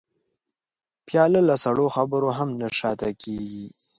پیاله له سړو خبرو هم نه شا ته کېږي.